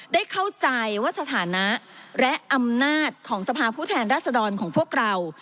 ได้เข้าใจว่าสถานะและอำนาจของสภาผู้แทนรัศดรของพวกเรา